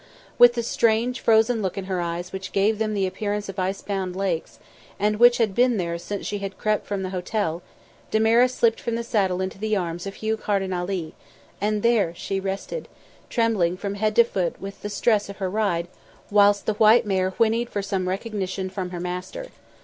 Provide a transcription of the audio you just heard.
With the strange frozen look in her eyes which gave them the appearance of ice bound lakes, and which had been there since she had crept from the hotel, Damaris slipped from the saddle into the arms of Hugh Carden Ali, and there she rested, trembling from head to foot with the stress of her ride, whilst the white mare whinnied for some recognition from her master.